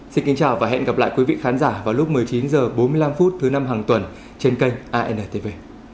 xin kính chào và hẹn gặp lại quý vị khán giả vào lúc một mươi chín h bốn mươi năm thứ năm hàng tuần trên kênh antv